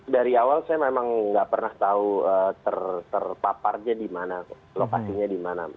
dari awal saya memang nggak pernah tahu terpaparnya di mana lokasinya di mana